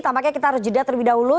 tampaknya kita harus jeda terlebih dahulu